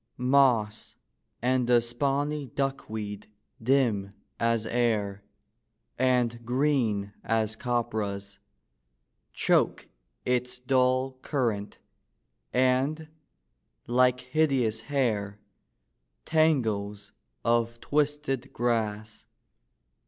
Moss and the spawny duckweed, dim as air, And green as copperas, Choke its dull current; and, like hideous hair, Tangles of twisted grass.